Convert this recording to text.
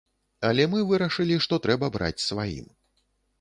Але мы вырашылі, што трэба браць сваім.